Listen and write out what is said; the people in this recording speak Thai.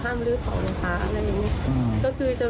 พนักงานในร้าน